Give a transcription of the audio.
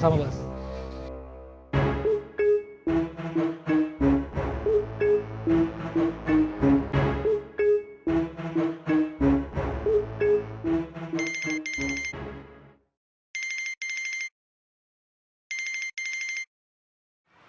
semedang semedang semedang semedang